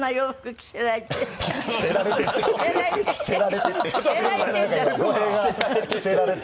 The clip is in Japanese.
着せられてる。